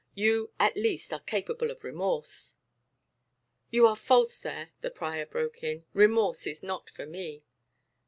You, at least, are capable of remorse." "You are false there," the prior broke in. "Remorse is not for me."